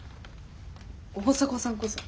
大迫さんこそ。